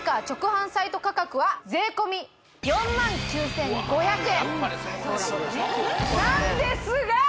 直販サイト価格は税込４万９５００円なんですが！